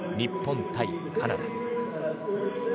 日本対カナダ。